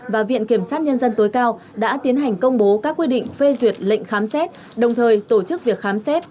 và viện kiểm sát nhân dân tối cao đã tiến hành công bố các quy định phê duyệt lệnh khám xét đồng thời tổ chức việc khám xét